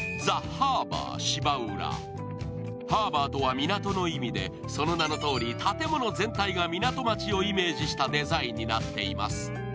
ＨＡＲＢＯＵＲとは港の意味で、その名のとおり建物全体が港町をイメージしたデザインになっています。